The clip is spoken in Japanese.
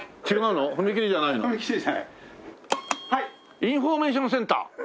インフォメーションセンター。